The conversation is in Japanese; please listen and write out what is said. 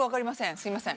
すいません。